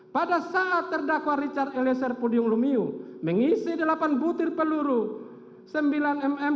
pada saat terdakwa richard eliezer pudium lumiu mengisi delapan butir peluru sembilan mm